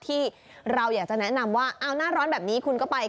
ที่เราอยากจะแนะนำว่าเอาหน้าร้อนแบบนี้คุณก็ไป